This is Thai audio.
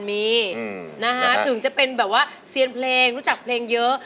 มีนะคะถึงจะเป็นแบบว่าเซียนเพลงรู้จักเพลงเยอะ